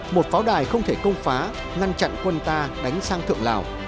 một pháo đài không thể công phá ngăn chặn quân ta đánh sang thượng lào